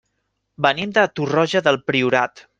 Venim de Torroja del Priorat.